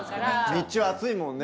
日中暑いもんね